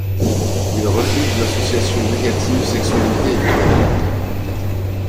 Ils refusent l'association négative sexualité et maladie.